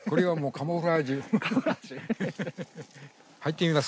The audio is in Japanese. はい。